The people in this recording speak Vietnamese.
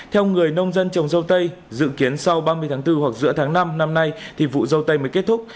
theo người nông dân trồng dâu tây dự kiến sau ba mươi tháng bốn hoặc giữa tháng năm năm nay thì vụ dâu tây mới kết thúc